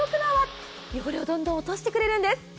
汚れをどんどん落としてくれるんです。